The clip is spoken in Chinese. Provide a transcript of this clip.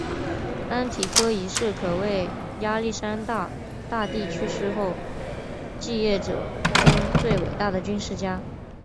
安提柯一世可谓亚历山大大帝去世后继业者中最伟大的军事家。